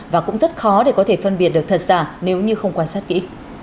và cũng rất khó để có thể phân biệt được thật giả nếu như không quan sát kỹ